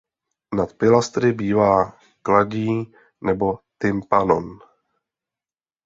Nad pilastry bývá kladí nebo tympanon.